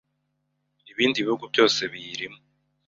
ibindi bihugu byose biyirimo